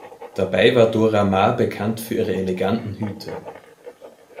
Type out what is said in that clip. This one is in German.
Dabei war Dora Maar bekannt für ihre eleganten Hüte.